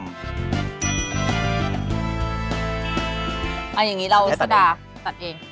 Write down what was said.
อันอย่างนี้เราซน่ารสใส่เอง